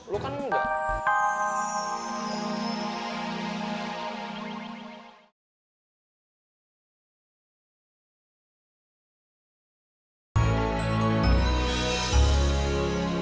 lo kan enggak